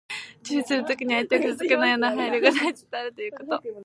注意するときに、相手を傷つけないような配慮が大切であるということ。